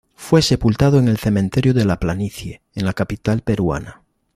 Fue sepultado en el Cementerio de La Planicie, en la capital peruana.